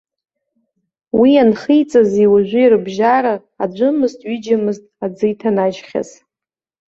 Уи анхиҵази уажәи рыбжьара, аӡәымызт-ҩыџьамызт аӡы иҭанажьхьаз.